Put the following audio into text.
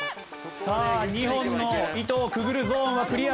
さあ２本の糸をくぐるゾーンはクリアしていった。